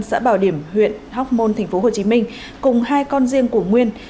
xã bảo điểm huyện hóc môn tp hcm cùng hai con riêng của nguyên